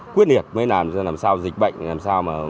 quyết liệt mới làm ra làm sao dịch bệnh làm sao mà